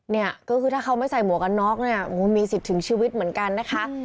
เนี่ยก็คือถ้าเขาไม่ใส่หมวกกันน็อกเนี่ยมีสิทธิ์ถึงชีวิตเหมือนกันนะคะ